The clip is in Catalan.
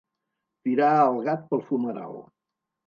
Tirar el gat pel fumeral.